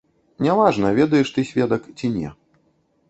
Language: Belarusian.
Няважна, ведаеш ты сведак ці не.